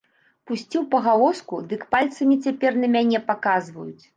Пусціў пагалоску, дык пальцамі цяпер на мяне паказваюць.